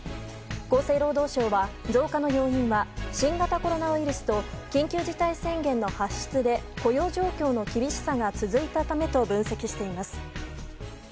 厚生労働省は、増加の要因は新型コロナウイルスと緊急事態宣言の発出で雇用状況の厳しさが続いたためと分析しています。